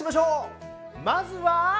まずは。